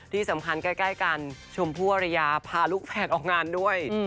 ที่สำคัญใกล้กันชมพู่อริยาพาลูกแฝดออกงานด้วย